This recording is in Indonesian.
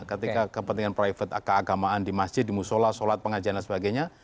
ketika kepentingan private keagamaan di masjid di musola sholat pengajian dan sebagainya